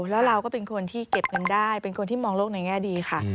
แล้วเราก็เป็นคนที่เก็บเงินได้เป็นคนที่มองโลกในแง่ดีค่ะ